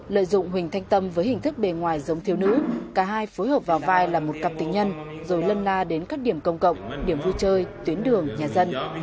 lợi dụng huỳnh thanh tâm với hình thức bề ngoài giống thiếu nữ cả hai phối hợp vào vai là một cặp tính nhân rồi lân la đến các điểm công cộng điểm vui chơi tuyến đường nhà dân